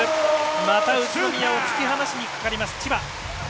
また宇都宮を突き放しにかかります千葉。